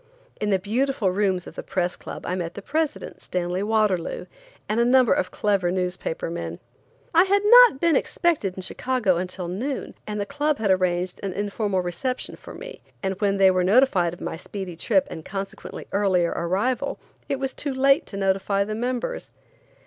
In the beautiful rooms of the Press Club I met the president, Stanley Waterloo, and a number of clever newspaper men. I had not been expected in Chicago until noon, and the club had arranged an informal reception for me, and when they were notified of my speedy trip and consequently earlier arrival, it was too late to notify the members.